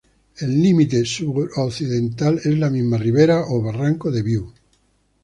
El límite suroccidental es la misma rivera o barranco de Viu.